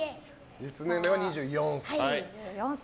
実年齢は２４歳と。